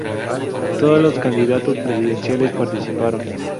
Todos los candidatos presidenciales participaron.